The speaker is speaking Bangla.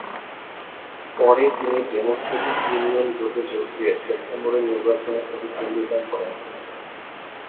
পরে তিনি ডেমোক্রেটিক ইউনিয়ন জোটে যোগ দিয়ে সেপ্টেম্বরের নির্বাচনে প্রতিদ্বন্দ্বিতা করেন।